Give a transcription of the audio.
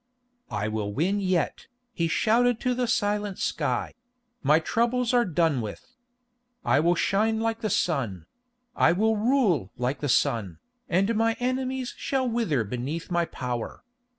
"I will win yet," he shouted to the silent sky; "my troubles are done with. I will shine like the sun; I will rule like the sun, and my enemies shall wither beneath my power.